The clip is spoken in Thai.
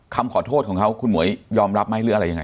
คำขอโทษของเขาคุณหมวยยอมรับไหมหรืออะไรยังไง